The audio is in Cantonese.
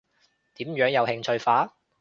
點樣有興趣法？